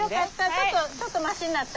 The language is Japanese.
ちょっとちょっとましになった？